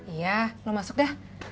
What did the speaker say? iya lo masuk dah